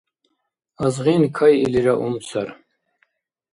Азгъин кайилира умсар.